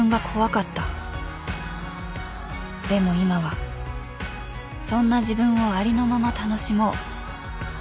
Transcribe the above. ［でも今はそんな自分をありのまま楽しもう］